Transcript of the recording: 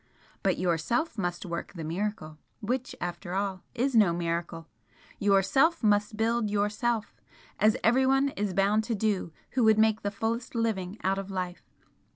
But Yourself must work the miracle, which, after all, is no miracle! Yourself must build Yourself! as everyone is bound to do who would make the fullest living out of life.